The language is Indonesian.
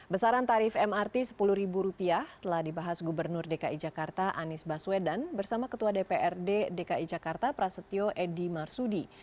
besaran tarif mrt rp sepuluh telah dibahas gubernur dki jakarta anies baswedan bersama ketua dprd dki jakarta prasetyo edy marsudi